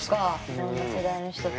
いろんな世代の人とね。